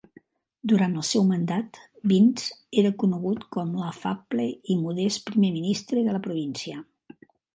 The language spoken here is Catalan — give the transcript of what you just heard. Durant el seu mandat, Binns era conegut com l'afable i modest primer ministre de la província.